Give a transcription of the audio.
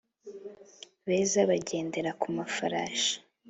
beza bagendera ku mafarashi